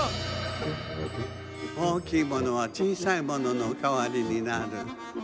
おおきいものはちいさいもののかわりになる。